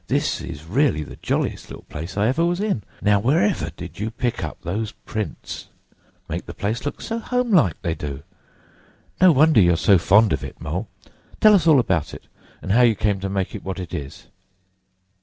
This is really the jolliest little place I ever was in. Now, wherever did you pick up those prints? Make the place look so home like, they do. No wonder you're so fond of it, Mole. Tell us all about it, and how you came to make it what it is."